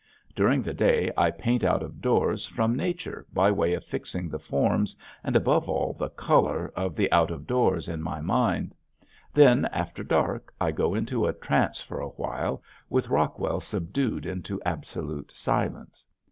During the day I paint out of doors from nature by way of fixing the forms and above all the color of the out of doors in my mind. Then after dark I go into a trance for a while with Rockwell subdued into absolute silence.